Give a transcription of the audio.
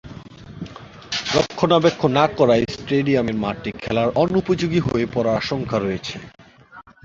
রক্ষণাবেক্ষণ না করায় স্টেডিয়ামের মাঠটি খেলার অনুপযোগী হয়ে পড়ার আশঙ্কা রয়েছে।